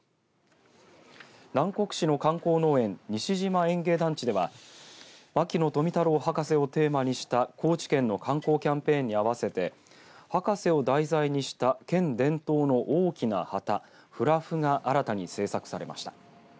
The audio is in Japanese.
南国市の観光農園西島園芸団地では牧野富太郎博士をテーマにした高知県の観光キャンペーンに合わせて博士を題材にした県伝統の大きな旗フラフが新たに制作されました。